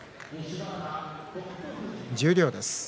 十両です。